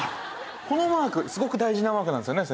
このマークすごく大事なマークなんですよね？